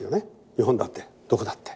日本だってどこだって。